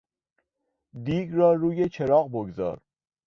دیگ را روی چراغ بگذار.